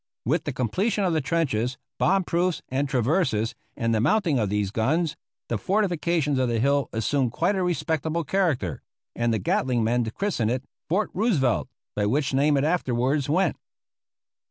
With the completion of the trenches, bomb proofs, and traverses, and the mounting of these guns, the fortifications of the hill assumed quite a respectable character, and the Gatling men christened it Fort Roosevelt, by which name it afterward went.